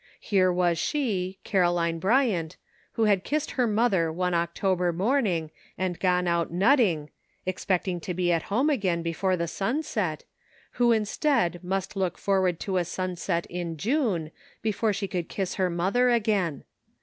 Here was she, Caroline Bryant, who had kissed her mother one October morning and gone out nutting, expect CONFLICTING ADVICE. 209 ing to be at home again before the sun set, who instead must look forward to a sunset in June before she could kiss her mother again.